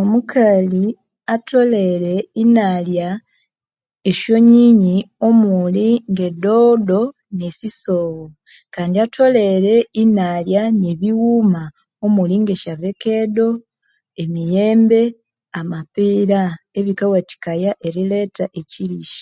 Omukali atholere inalya esyonyinyi omuli nge dodo ne sisogho kandi atholere inalya ne bighuma omuli ngesya vekedo emiyembe, amapira ebikawathikaya eriletha ekyirisya.